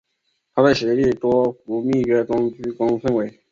她在协定多佛密约中居功甚伟。